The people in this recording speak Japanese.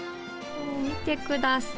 もう見てください！